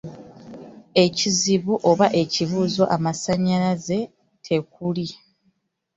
Ekizibu oba ekibuuzo amasannyalaze tekuli?